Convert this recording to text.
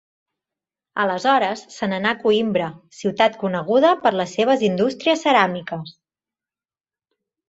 Aleshores se n'anà a Coïmbra, ciutat coneguda per les seves indústries ceràmiques.